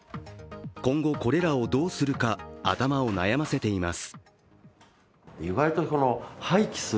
今後これらをどうするか頭を悩ませています。